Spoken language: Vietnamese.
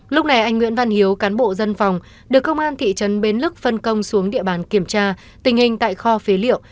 lúc này anh nguyễn văn hiếu cán bộ dân phòng được công an thị trấn bến lức phân công xuống địa bàn kiểm tra tình hình tại kho phế liệu